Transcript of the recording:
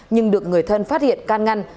nhưng được người thân phát hiện can ngăn